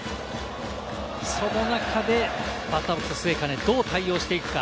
その中でバッターボックスの末包、どう対応していくか？